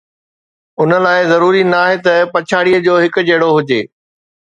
ان لاءِ ضروري ناهي ته پڇاڙيءَ جو هڪجهڙو هجي